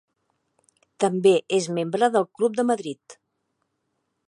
També és membre del Club de Madrid.